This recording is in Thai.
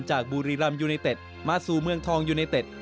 จากบูรีรัมย์ยูเนตเต็ดมาสู่เมืองทองยูเนตเต็ด